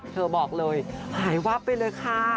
เธอบอกเลยหายวับไปเลยค่ะ